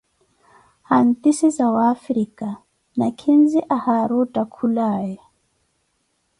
Hantisi zaWafrika: Nakhinzi ahari ottakhulaye.